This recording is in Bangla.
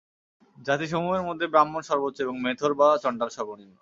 জাতিসমূহের মধ্যে ব্রাহ্মণ সর্বোচ্চ এবং মেথর বা চণ্ডাল সর্বনিম্ন।